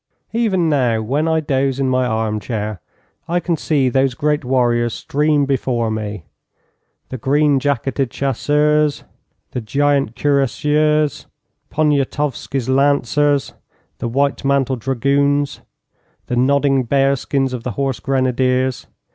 Even now, when I doze in my arm chair, I can see those great warriors stream before me the green jacketed chasseurs, the giant cuirassiers, Poniatowsky's lancers, the white mantled dragoons, the nodding bearskins of the horse grenadiers.